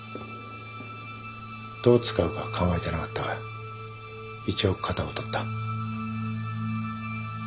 どう使うかは考えてなかったが一応型をとった。